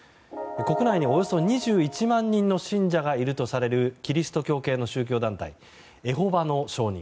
国内に、およそ２１万人の信者がいるとされるキリスト教系の宗教団体エホバの証人。